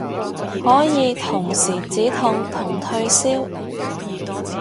可以同時止痛同退燒